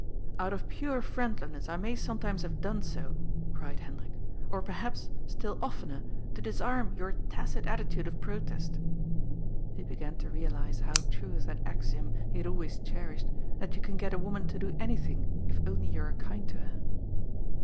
*^ Out of pure friendliness I may sometimes have done so," cried Hendrik, ^or perhaps, still oftener, to disarm your tacit attitude of protest." He began to realize how true is that axiom he had always cherished, that you can get a woman to do anything if only you are kind to her